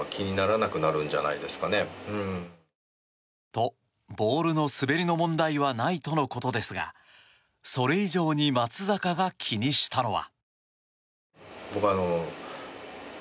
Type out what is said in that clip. と、ボールの滑りの問題はないとのことですがそれ以上に松坂が気にしたのは。